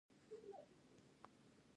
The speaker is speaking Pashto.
هغې وویل محبت یې د شپه په څېر ژور دی.